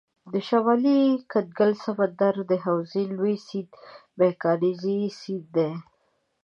د شمالي کنګل سمندر د حوزې لوی سیند مکنزي سیند دی.